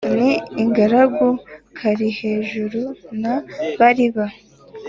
N’ingaragu Kalihejuru na Bariba.